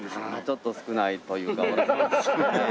ちょっと少ないというか。